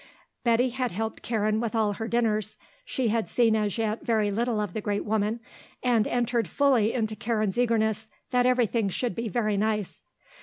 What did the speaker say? Betty had helped Karen with all her dinners; she had seen as yet very little of the great woman, and entered fully into Karen's eagerness that everything should be very nice.